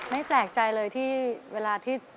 ไม่แปลกใจเลยที่เวลาที่